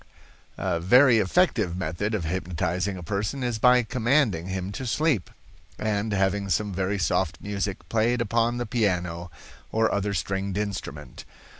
"A very effective method of hypnotizing a person is by commanding him to sleep, and having some very soft music played upon the piano, or other stringed instrument.